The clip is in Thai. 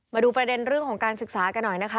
มาดูประเด็นเรื่องของการศึกษากันหน่อยนะคะ